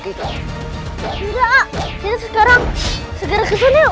kita tidak kita sekarang segera ke sini yuk